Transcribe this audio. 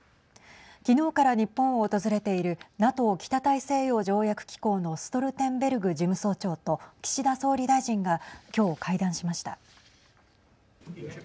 昨日から日本を訪れているＮＡＴＯ＝北大西洋条約機構のストルテンベルク事務総長と岸田総理大臣が今日、会談しました。